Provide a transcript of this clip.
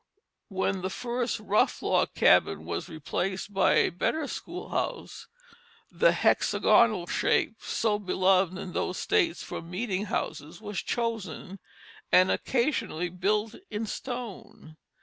When the first rough log cabin was replaced by a better schoolhouse the hexagonal shape, so beloved in those states for meeting houses, was chosen, and occasionally built in stone.